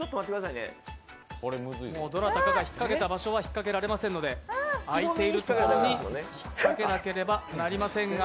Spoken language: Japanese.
どなたかが引っかけた場所はもう引っかけられませんので空いてるところに引っかけられなければなりませんが。